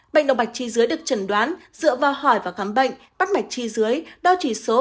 bệnh động mạch chi dưới được chẩn đoán dựa vào hỏi và khám bệnh bắt mạch chi dưới đo chỉ số